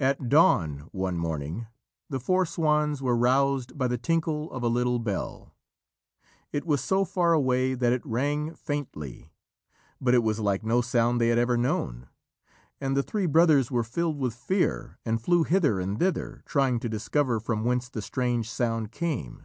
At dawn one morning, the four swans were roused by the tinkle of a little bell. It was so far away that it rang faintly, but it was like no sound they had ever known, and the three brothers were filled with fear and flew hither and thither, trying to discover from whence the strange sound came.